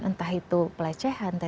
entah itu pelecehan